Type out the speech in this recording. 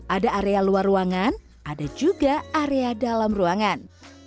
ada area luar ruangan ada juga area dalam ruangan